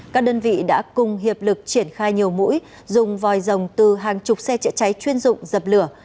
các đơn vị đã cùng hiệp lực triển khai nhiều mũi dùng vòi rồng từ hàng chục xe chữa cháy chuyên dụng dập lửa